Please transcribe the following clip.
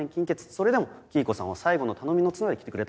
それでも黄以子さんは最後の頼みの綱で来てくれたんです。